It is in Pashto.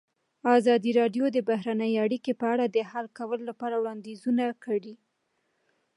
ازادي راډیو د بهرنۍ اړیکې په اړه د حل کولو لپاره وړاندیزونه کړي.